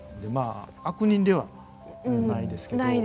まあ悪人ではないですけど。